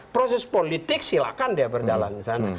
proses politik silahkan dia berjalan disana